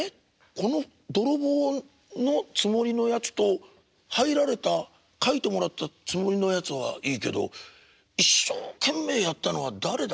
この泥棒のつもりのやつと入られた描いてもらったつもりのやつはいいけど一生懸命やったのは誰だ？